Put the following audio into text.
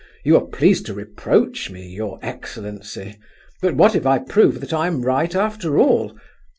You are pleased to reproach me, your excellency, but what if I prove that I am right after all?